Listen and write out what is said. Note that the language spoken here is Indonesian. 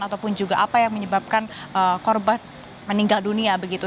ataupun juga apa yang menyebabkan korban meninggal dunia begitu